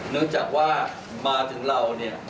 เนื่องจากว่ามาถึงเราเนี่ย